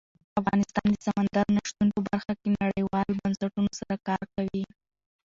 افغانستان د سمندر نه شتون په برخه کې نړیوالو بنسټونو سره کار کوي.